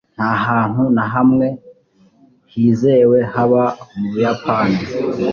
Nta hantu na hamwe hizewe haba mu Buyapani.